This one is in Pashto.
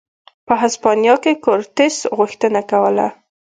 په هسپانیا کې کورتس غوښتنه کوله.